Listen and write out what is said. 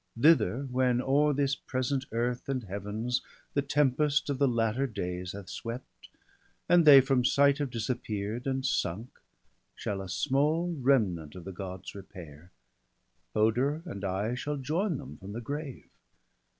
Thither, when o'er this present earth and Heavens The tempest of the latter days hath swept. And they from sight have disappear'd, and sunk, Shall a small remnant of the Gods repair; Hoder and I shall join them from the grave.